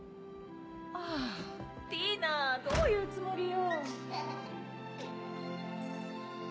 あぁティナどういうつもりよ。